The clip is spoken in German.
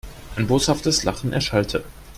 Ein boshaftes Lachen erschallte.